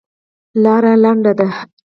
لاره لنډه ده.